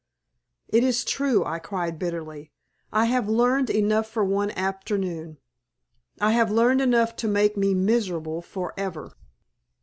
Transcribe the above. "It is true," I cried, bitterly. "I have learned enough for one afternoon I have learned enough to make me miserable forever."